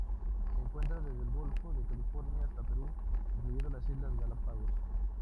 Se encuentra desde el golfo de California hasta Perú, incluyendo las islas Galápagos.